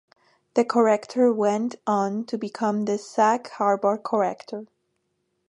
"The Corrector" went on to become the "Sag Harbor Corrector".